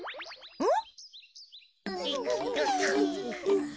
うん。